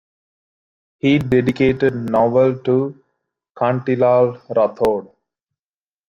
He dedicated novel to Kantilal Rathod.